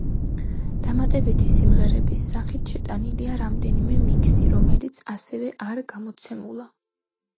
დამატებითი სიმღერების სახით შეტანილია რამდენიმე მიქსი, რომელიც ასევე არ გამოცემულა.